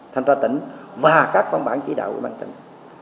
thanh tra tỉnh và các văn bản chỉ đạo của ban tỉnh